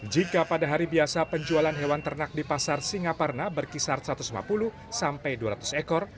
jika pada hari biasa penjualan hewan ternak di pasar singaparna berkisar satu ratus lima puluh sampai dua ratus ekor